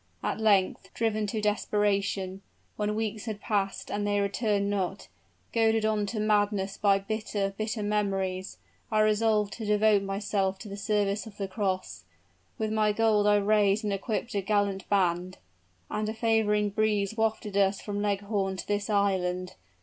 At length, driven to desperation, when weeks had passed and they returned not goaded on to madness by bitter, bitter memories I resolved to devote myself to the service of the cross. With my gold I raised and equipped a gallant band; and a favoring breeze wafted us from Leghorn to this island.